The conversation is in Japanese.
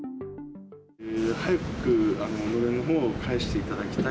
早くのれんのほうを返していただきたい。